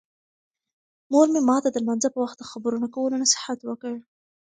مور مې ماته د لمانځه په وخت د خبرو نه کولو نصیحت وکړ.